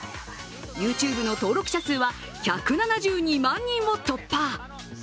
ＹｏｕＴｕｂｅの登録者数は１７２万人を突破。